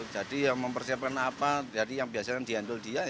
jadi yang mempersiapkan apa jadi yang biasanya diandul dia